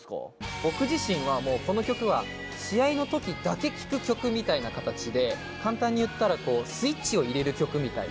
僕自身はもうこの曲は、試合のときだけ聴く曲みたいな形で、簡単に言ったらこう、スイッチを入れる曲みたいな。